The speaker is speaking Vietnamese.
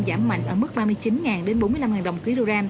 giảm mạnh ở mức ba mươi chín bốn mươi năm đồng một kg